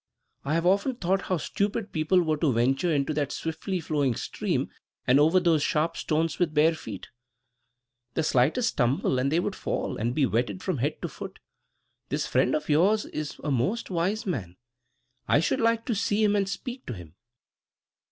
"I have often thought how stupid people were to venture into that swiftly flowing stream and over those sharp stones with bare feet. The slightest stumble and they would fall, and be wetted from head to foot. This friend of yours is a most wise man. I should like to see him and speak to him."